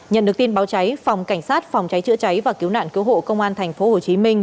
nhận được tin báo cháy phòng cảnh sát phòng cháy chữa cháy và cứu nạn cứu hộ công an thành phố hồ chí minh